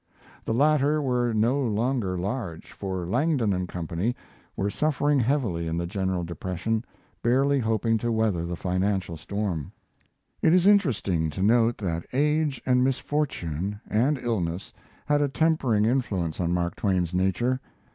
The latter were no longer large, for Langdon & Co. were suffering heavily in the general depression, barely hoping to weather the financial storm. It is interesting to note that age and misfortune and illness had a tempering influence on Mark Twain's nature.